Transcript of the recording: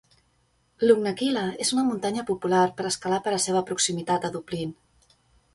Lugnaquilla és una muntanya popular per escalar per a seva proximitat a Dublin.